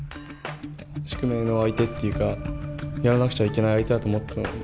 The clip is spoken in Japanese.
宿命の相手っていうかやらなくちゃいけない相手だと思っていたので。